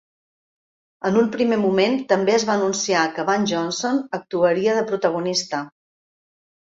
En un primer moment també es va anunciar que Van Johnson actuaria de protagonista.